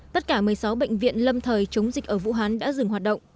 tất cả một mươi sáu bệnh viện lâm thời chống dịch ở vũ hán đã dừng hoạt động